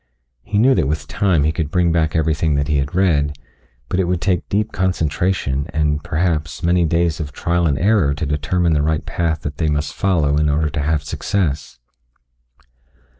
He knew that with time he could bring back everything that he had read, but it would take deep concentration and, perhaps, many days of trial and error to determine the right path that they must follow in order to have success.